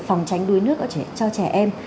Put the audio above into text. phòng tránh đuối nước cho trẻ em